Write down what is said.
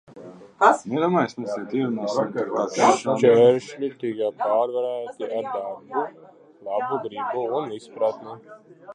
Šķēršļi tika pārvarēti ar darbu, labu gribu un izpratni.